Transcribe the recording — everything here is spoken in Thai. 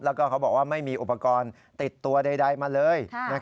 แล้วก็เขาบอกว่าไม่มีอุปกรณ์ติดตัวใดมาเลย